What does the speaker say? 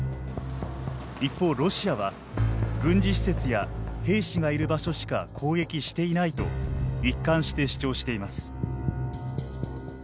一方、ロシアは軍事施設や兵士がいる場所しか攻撃していないと一貫して主張しています。